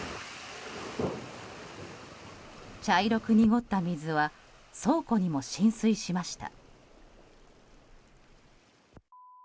茶色く濁った水は倉庫にも浸水しました。